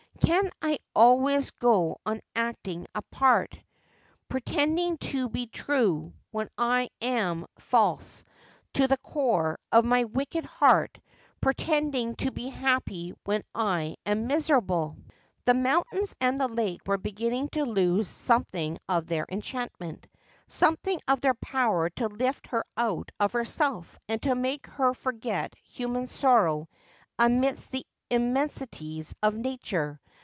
' Can I always go on acting a part — pre Y 338 Asphodel. tending to be true when I am false to the core of my wicked heart, pretending to be happy when I am miserable ?' The mountains and the lake were beginning to lose some thing of their enchantment, something of their power to lift her out of herself and to make her forget human sorrow amidst the immensities of Nature.